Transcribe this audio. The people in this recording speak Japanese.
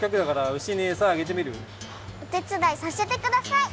おてつだいさせてください！